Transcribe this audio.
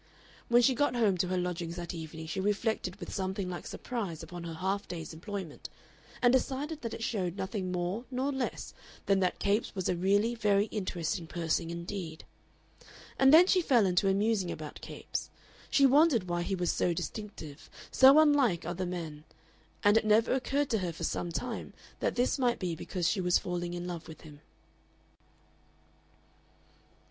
When she got home to her lodgings that evening she reflected with something like surprise upon her half day's employment, and decided that it showed nothing more nor less than that Capes was a really very interesting person indeed. And then she fell into a musing about Capes. She wondered why he was so distinctive, so unlike other men, and it never occurred to her for some time that this might be because she was falling in love with him.